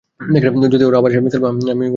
যদি ওরা আবার আসে, আমি ওদের সাথে খেলব।